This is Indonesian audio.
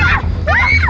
oh padahal resepnya